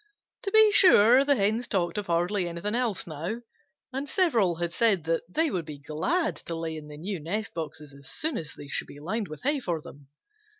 To be sure the Hens talked of hardly anything else now, and several had said that they would be glad to lay in the new nest boxes as soon as they should be lined with hay for them.